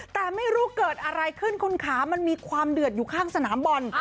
แต่ไม่รู้เกิดอะไรขึ้นคุณขามันมีความเดือดอยู่ข้างสนามบอล